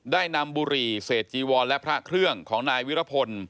ได้นำบุหรี่เศษจีวรและพระเครื่องของนายวิรพล